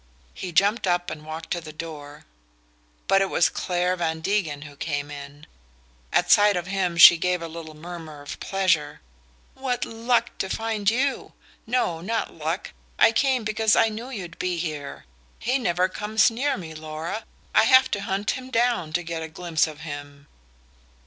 He jumped up and walked to the door; but it was Clare Van Degen who came in. At sight of him she gave a little murmur of pleasure. "What luck to find you! No, not luck I came because I knew you'd be here. He never comes near me, Laura: I have to hunt him down to get a glimpse of him!"